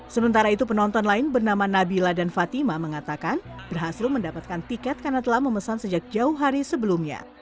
sementara itu penonton lain bernama nabila dan fatima mengatakan berhasil mendapatkan tiket karena telah memesan sejak jauh hari sebelumnya